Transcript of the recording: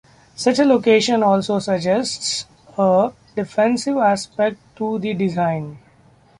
Such a location also suggests a defensive aspect to the design.